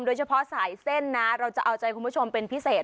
โดยเฉพาะสายเส้นนะเราจะเอาใจคุณผู้ชมเป็นพิเศษ